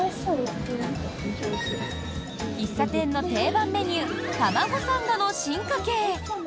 喫茶店の定番メニュー卵サンドの進化系。